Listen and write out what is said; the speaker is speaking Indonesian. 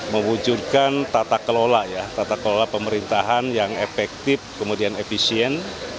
mewujudkan tata kelola ya tata kelola pemerintahan yang efektif kemudian efisien